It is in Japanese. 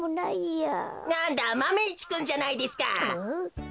なんだマメ１くんじゃないですか。